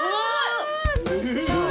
すごい！